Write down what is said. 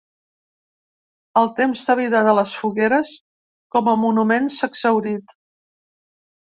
El temps de vida de les fogueres com a monuments s’ha exhaurit.